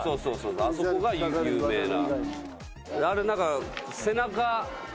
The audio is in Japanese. あそこが有名な。